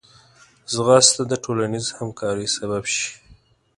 ځغاسته د ټولنیز همکارۍ سبب شي